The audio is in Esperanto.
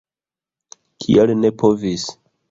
Kial ne povis?